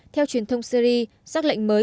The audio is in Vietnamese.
theo truyền thông syri xác lệnh mới